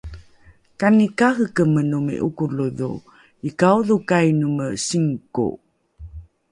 Kani kahekemenomi 'okolodho, iikaodho kainome singko?